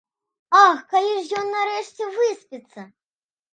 Ах, калі ж ён нарэшце выспіцца?